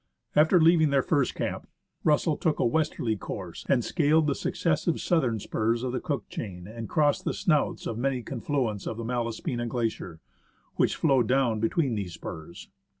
After leaving this first camp, Russell took a westerly course, scaled the successive southern spurs of the Cook chain, and crossed the snouts of many confluents of the Malaspina Glacier, which flow down between these spurs.